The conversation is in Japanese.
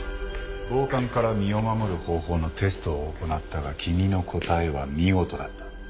暴漢から身を守る方法のテストを行ったが君の答えは見事だった。